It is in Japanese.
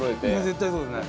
絶対そうですね。